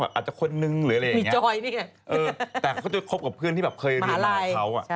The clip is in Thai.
อาจจะคนหนึ่งหรืออะไรอย่างนี้แต่เขาจะคบกับเพื่อนที่แบบเคยเรียนมากเขา